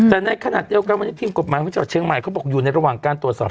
แต่ในขณะเดียวกันวันนี้ทีมกฎหมายของจังหวัดเชียงใหม่เขาบอกอยู่ในระหว่างการตรวจสอบ